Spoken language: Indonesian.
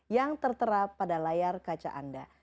yang tertera pada layar kaca anda